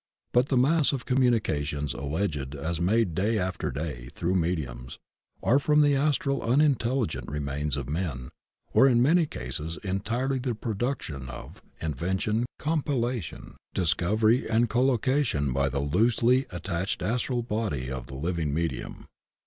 But the mass of communications alleged as made day after day through mediums are from the astral unintelligent remains of men, or in many cases entirely the produc tion of, invention, compilation, discovery and colloca tion by the loosely attached astral body of the living medium.